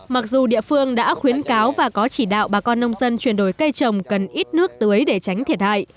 mặc dù địa phương đã khuyến cáo và có chỉ đạo bà con nông dân chuyển đổi cây trồng cần ít nước tưới để tránh thiệt hại